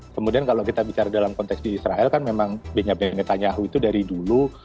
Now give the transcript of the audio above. kemudian kalau kita bicara dalam konteks di israel kan memang benya bengeta nyahu itu dari dulu